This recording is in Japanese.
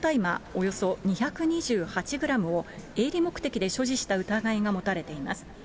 およそ２２８グラムを、営利目的で所持した疑いが持たれています。